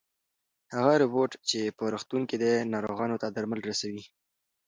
هغه روبوټ چې په روغتون کې دی ناروغانو ته درمل رسوي.